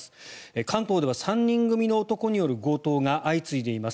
関東では３人組の男による強盗が相次いでいます。